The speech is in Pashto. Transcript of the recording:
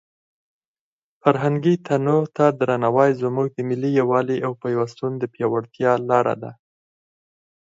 فرهنګي تنوع ته درناوی زموږ د ملي یووالي او پیوستون د پیاوړتیا لاره ده.